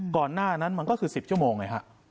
ก่อนหน้านั้นมันก็คือ๑๐ชั่วโมงไงฮะ